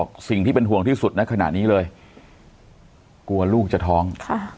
กลัวลูกจะท้อง